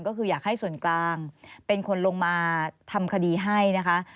ก็คืออยากให้ส่วนกลางเป็นคนลงมาทำคดีให้นะคะ